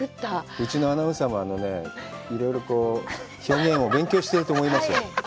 うちのアナウンサーもね、いろいろ表現を勉強していると思いますよ。